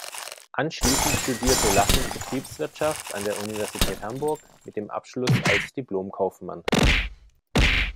Anschließend studierte Lassen Betriebswirtschaft an der Universität Hamburg mit dem Abschluss als Diplom-Kaufmann.